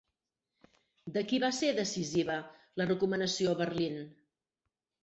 De qui va ser decisiva la recomanació a Berlín?